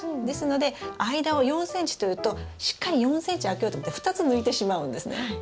ですので間を４ｃｍというとしっかり４ｃｍ空けようと思って２つ抜いてしまうんですね。